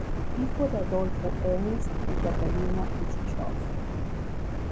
Hijo de Adolfo Ernst y Catalina Bischoff.